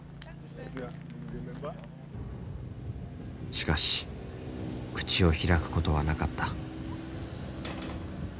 しかし口を開くことはなかった。